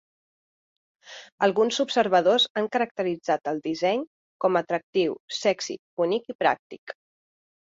Alguns observadors han caracteritzat el disseny com atractiu, sexi, bonic i pràctic.